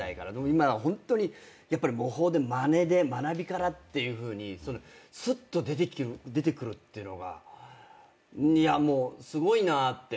今ホントに模倣でまねで学びからっていうふうにスッと出てくるっていうのがすごいなって。